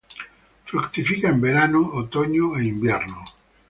Fructifica en verano, otoño e invierno.